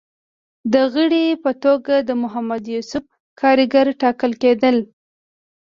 د غړي په توګه د محمد یوسف کارګر ټاکل کېدل